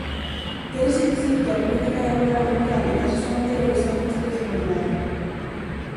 Quérese dicir, que a política e a moral democráticas son anteriores á constitucionalidade.